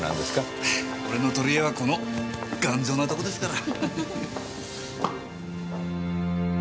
俺の取り柄はこの頑丈なとこですから。